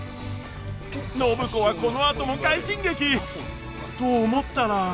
暢子はこのあとも快進撃！と思ったら。